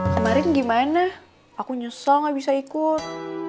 kemarin gimana aku nyesel gak bisa ikut